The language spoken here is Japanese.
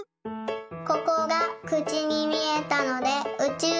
ここがくちにみえたのでうちゅう